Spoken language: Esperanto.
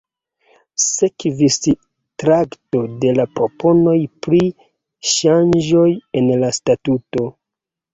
Sekvis trakto de la proponoj pri ŝanĝoj en la statuto.